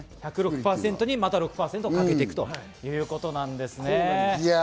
１０６％にまた６％をかけていくということですね。